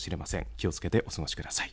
気をつけてお過ごしください。